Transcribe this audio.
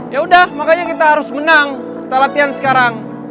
yaudah makanya kita harus menang kita latihan sekarang